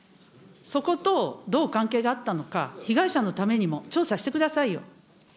そことどう関係があったのか、被害者のためにも調査してくださいよ。